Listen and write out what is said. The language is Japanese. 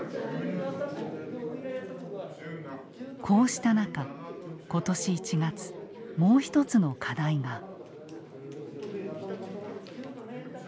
こうした中今年１月もう一つの課題が。